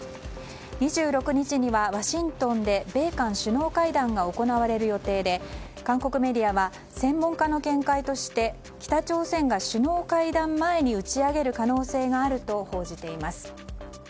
２６日にはワシントンで米韓首脳会談が行われる予定で韓国メディアは専門家の見解として北朝鮮が首脳会談前に打ち上げる可能性があると報じています。